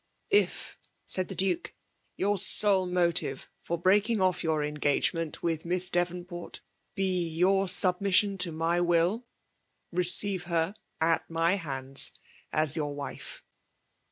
''If/' sfdd the Duke, " your sole motive tot 'bx;eak ing off your engagement with Miss Devonport be your submission to my will, teeeive her ftt my hands as your wife.